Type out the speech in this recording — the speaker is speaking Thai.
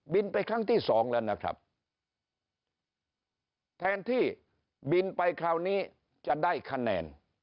ไปครั้งที่สองแล้วนะครับแทนที่บินไปคราวนี้จะได้คะแนน